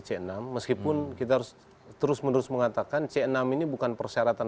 c enam meskipun kita harus terus menerus mengatakan c enam ini bukan persyaratan